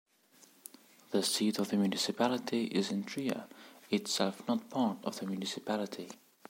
The seat of the municipality is in Trier, itself not part of the municipality.